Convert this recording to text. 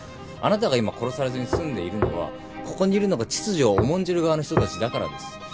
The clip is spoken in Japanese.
あなたが今殺されずに済んでいるのはここにいるのが秩序を重んじる側の人たちだからです。